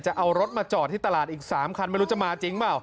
จะเอารถมาจอดที่ตลาดอีก๓คันไม่รู้จะมาจริงเปล่า